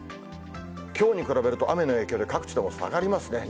きょうに比べると、雨の影響で各地とも下がりますね。